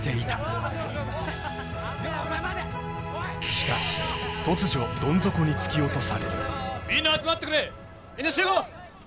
おいっ突如どん底に突き落とされるみんな集まってくれみんな集合！